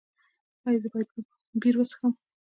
ایا زه باید بیر وڅښم؟